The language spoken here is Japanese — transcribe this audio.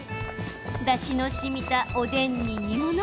だしのしみた、おでんに煮物。